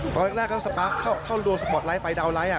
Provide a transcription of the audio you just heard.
ตอนแรกเขาสปาร์คเข้ารัวสปอร์ตไลท์ไปดาวนไลท์